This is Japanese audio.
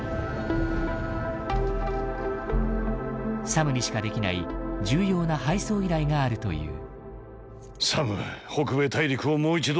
サムにしかできない重要な配送依頼があるという。